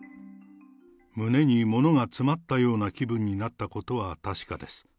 胸にものが詰まったような気分になったことは確かです。